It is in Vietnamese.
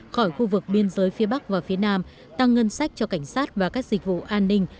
khỏi khu vực biên giới phía bắc và phía nam tăng ngân sách cho cảnh sát và các dịch vụ an ninh